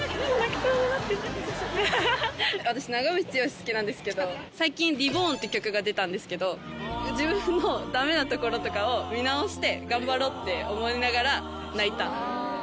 私長渕剛好きなんですけど最近『ＲＥＢＯＲＮ』って曲が出たんですけど自分の駄目なところとかを見直して頑張ろうって思いながら泣いた。